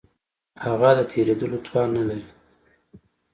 هغه د تېرېدلو توان نه لري.